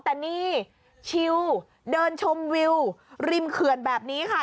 แต่นี่ชิลเดินชมวิวริมเขื่อนแบบนี้ค่ะ